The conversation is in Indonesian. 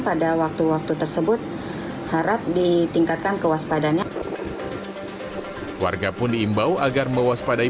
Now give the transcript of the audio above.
pada waktu waktu tersebut harap ditingkatkan kewaspadanya warga pun diimbau agar mewaspadai